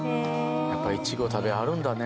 やっぱいちご食べはるんだね。